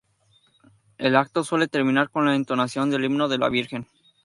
El acto suele terminar con la entonación del himno de la Virgen.